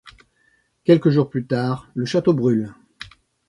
Quelques jours plus tard, le château brûle.